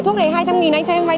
không phải hứa làm gì